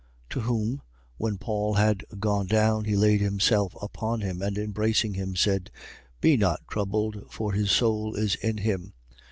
20:10. To whom, when Paul had gone down, he laid himself upon him and, embracing him, said: Be not troubled, for his soul is in him.